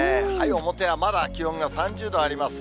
表はまだ気温が３０度あります。